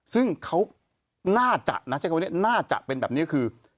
ซึ่งเขาน่าจะน่าจะเป็นแบบนี้คือ